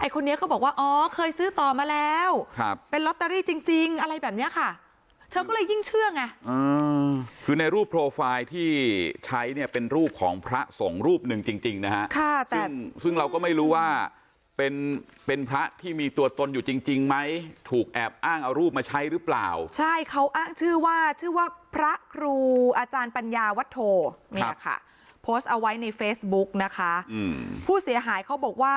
ไอ้คนนี้เขาบอกว่าอ๋อเคยซื้อต่อมาแล้วครับเป็นล็อตเตอรี่จริงจริงอะไรแบบเนี้ยค่ะเธอก็เลยยิ่งเชื่อไงอืมคือในรูปโปรไฟล์ที่ใช้เนี้ยเป็นรูปของพระส่งรูปหนึ่งจริงจริงนะฮะค่ะแต่ซึ่งเราก็ไม่รู้ว่าเป็นเป็นพระที่มีตัวตนอยู่จริงจริงไหมถูกแอบอ้างเอารูปมาใช้หรือเปล่าใช่เขาอ้างชื่อ